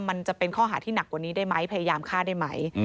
มันจะเป็นข้อหาที่หนักกว่านี้ได้ไหมพยายามฆ่าได้ไหม